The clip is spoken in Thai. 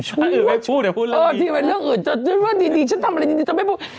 ช่วยความเรื่องอื่นดีฉันทำอะไรดีจะไม่พูด